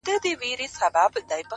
ستا شاعري گرانه ستا اوښکو وړې”